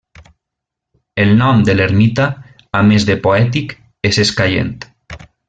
El nom de l'ermita, a més de poètic, és escaient.